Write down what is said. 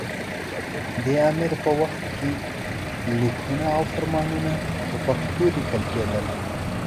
دې امیر په وخت کې لیکونه او فرمانونه په پښتو لیکل کېدل.